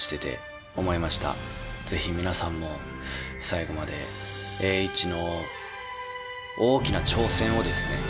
是非皆さんも最後まで栄一の大きな挑戦をですね